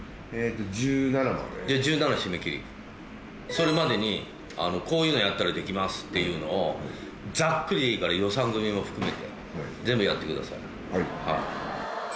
それまでにこういうのやったらできますっていうのをざっくりでいいから予算組みも含めて全部やってください。